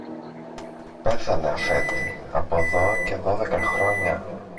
Πέθανε, αφέντη, από δω και δώδεκα χρόνια.